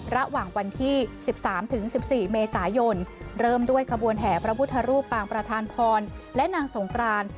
ระหว่างวันที่๑๓๑๔เมษายนเริ่มด้วยขบวนแห่พระพุทธรูปปางประธานพรและนางสงกราน